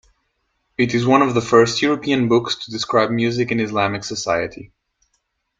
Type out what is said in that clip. It is one of the first European books to describe music in Islamic society.